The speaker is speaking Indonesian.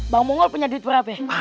bang mongol punya duit berapa ya